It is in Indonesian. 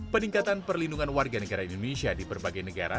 peningkatan perlindungan warga negara indonesia di berbagai negara